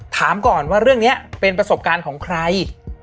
ถามก่อนว่าเรื่องนี้เป็นประสบการณ์ของใคร